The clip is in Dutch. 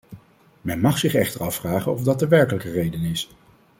Men mag zich echter afvragen of dat de werkelijke reden is.